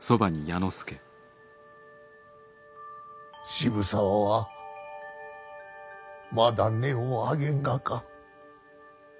渋沢はまだ音を上げんがか。